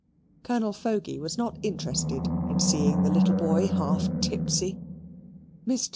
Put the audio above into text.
Colonel Fogey was not interested in seeing the little boy half tipsy. Mr.